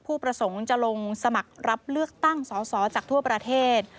ผู้ประสงค์จะลงสมัครรับเลือกตั้งสอสอจากทั่วประเทศ